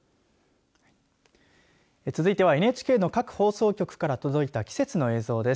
続いてはＮＨＫの各放送局から届いた季節の映像です。